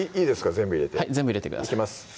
全部入れてはい全部入れてくださいいきます